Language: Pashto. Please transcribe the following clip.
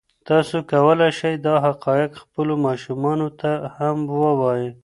تاسو کولی شئ دا حقایق خپلو ماشومانو ته هم ووایئ.